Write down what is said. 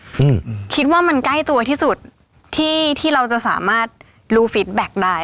อืมคิดว่ามันใกล้ตัวที่สุดที่ที่เราจะสามารถรู้ฟิตแบ็คได้